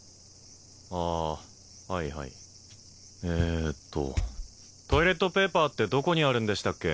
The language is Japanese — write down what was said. あはいはいえっとトイレットペーパーってどこにあるんでしたっけ？